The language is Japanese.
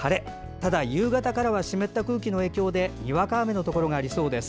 ただ、夕方からは湿った空気の影響でにわか雨のところがありそうです。